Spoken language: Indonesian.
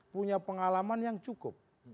punya pengalaman yang cukup